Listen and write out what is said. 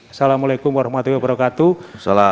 assalamu alaikum warahmatullahi wabarakatuh